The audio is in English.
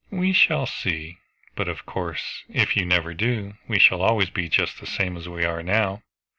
"We shall see; but of course if you never do, we shall always be just the same as we are now."